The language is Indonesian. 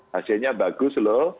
hasilnya bagus loh